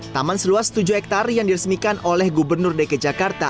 taman seluas tujuh hektare yang diresmikan oleh gubernur dki jakarta